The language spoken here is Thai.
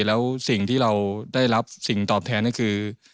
แล้วสิ่งที่เราได้รับสิ่งตอบแทนก็คือ